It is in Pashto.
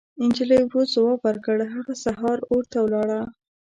نجلۍ ورو ځواب ورکړ: هغه سهار اور ته ولاړه.